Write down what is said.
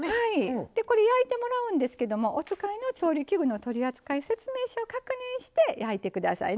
でこれ焼いてもらうんですけどもお使いの調理器具の取扱説明書を確認して焼いてくださいね。